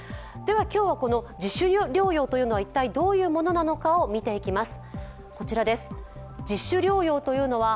今日は自主療養というのは一体どういうものなのかを見ていきます。